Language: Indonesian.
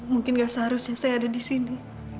mungkin gak seharusnya saya ada disini